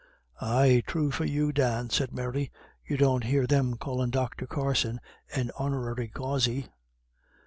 "Ay, true for you, Dan," said Mary; "you don't hear them callin' Dr. Carson an Honory causy."